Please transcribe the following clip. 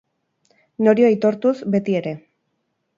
Nori aitortuz, beti ere.